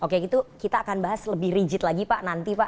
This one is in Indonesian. oke itu kita akan bahas lebih rigid lagi pak nanti pak